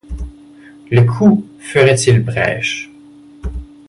Le coup ferait-il brèche?